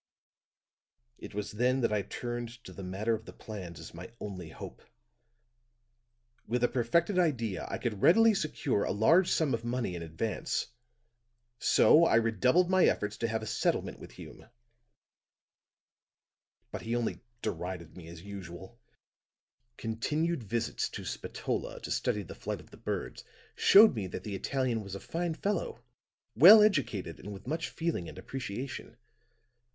"It was then that I turned to the matter of the plans as my only hope; with a perfected idea I could readily secure a large sum of money in advance. So I redoubled my efforts to have a settlement with Hume; but he only derided me as usual. Continued visits to Spatola to study the flight of the birds, showed me that the Italian was a fine fellow, well educated and with much feeling and appreciation.